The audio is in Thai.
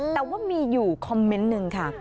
แต่ว่ามีอยู่คอมเมนต์หนึ่งค่ะ